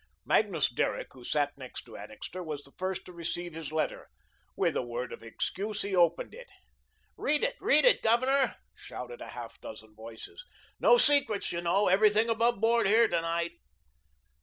Magnus Derrick, who sat next to Annixter, was the first to receive his letter. With a word of excuse he opened it. "Read it, read it, Governor," shouted a half dozen voices. "No secrets, you know. Everything above board here to night."